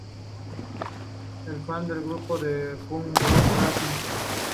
Es fan del grupo de punk rock rancid.